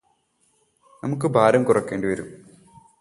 നമുക്ക് ഭാരം കുറയ്കേണ്ടിവരും